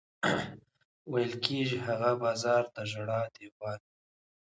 ویل کېږي هغه بازار د ژړا دېوال.